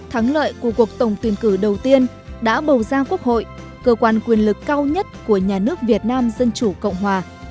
thắng lợi của cuộc tổng tuyển cử đầu tiên đã bầu ra quốc hội cơ quan quyền lực cao nhất của nhà nước việt nam dân chủ cộng hòa